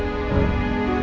gimana kita akan menikmati rena